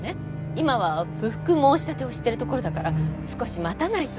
今は不服申立てをしてるところだから少し待たないと。